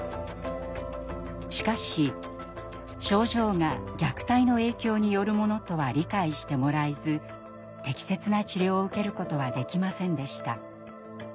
しかし症状が虐待の影響によるものとは理解してもらえず適切な治療を受けることはできませんでした。